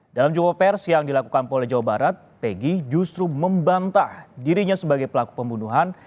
dalam jumpa pers yang dilakukan oleh jawa barat pegi justru membantah dirinya sebagai pelaku pembunuhan